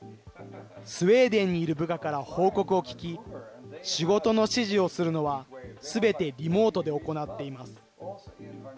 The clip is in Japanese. スウェーデンにいる部下から報告を聞き、仕事の指示をするのはすべてリモートで行っています。